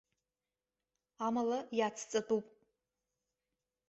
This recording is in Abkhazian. Амала иацҵатәуп.